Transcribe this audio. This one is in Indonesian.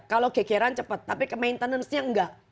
kalau kekiran cepat tapi ke maintenancenya enggak